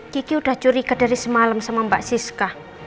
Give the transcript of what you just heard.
gigi udah curiga dari semalam sama mbak siska